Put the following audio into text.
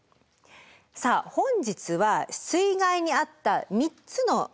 さあ本日は水害に遭った３つの被災地